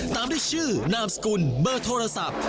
ตามด้วยชื่อนามสกุลเบอร์โทรศัพท์